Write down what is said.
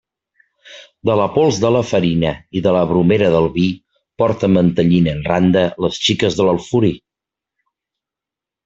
De la pols de la farina i de la bromera del vi, porten mantellina en randa les xiques de l'Alforí.